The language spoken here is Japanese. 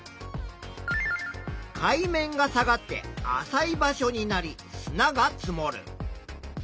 海面が下がって浅い場所になり砂が積もる。